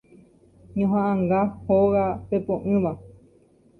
Ñohaʼãnga Hóga Pepoʼỹva.